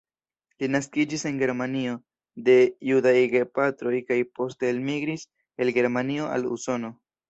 Li naskiĝis en Germanio de judaj gepatroj kaj poste elmigris el Germanio al Usono.